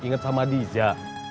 ingat sama dija